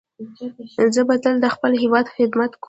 زه به تل د خپل هیواد خدمت کوم.